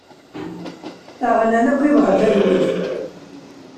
Aɣlan akk yebɣa talwit.